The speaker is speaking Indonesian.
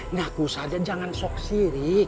ngaku saja jangan sok siri